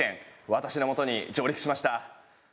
私のもとに上陸しました。